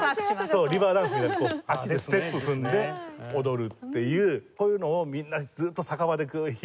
そうリバーダンスみたくこう足でステップ踏んで踊るっていうこういうのをみんなずっと酒場でこう弾いてるんですよね。